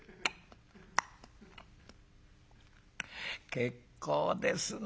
「結構ですな。